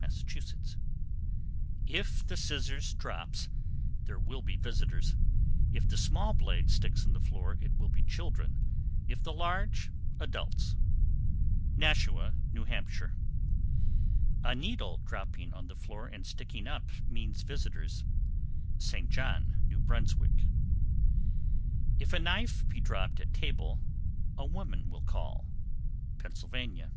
Massachusetts. 759. If the scissors drops there will be visitors; if the small blade sticks in the floor it will be children; if the large, adults. Nashua, N.H. 760. A needle dropping on the floor and sticking up means visitors. St. John, N.B. 761. If a knife be dropped at table, a woman will call. _Pennsylvania.